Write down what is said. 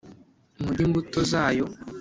murye imbuto zayo.